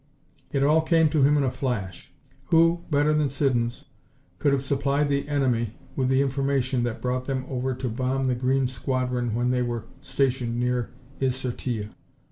It all came to him in a flash. Who, better than Siddons, could have supplied the enemy with the information that brought them over to bomb the green squadron when they were stationed near Is Sur Tille?